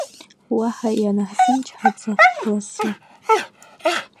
Уаҳа ианҳзымчҳаӡа, ҳласы.